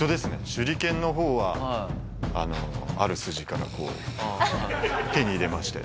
手裏剣の方はある筋からこう手に入れまして。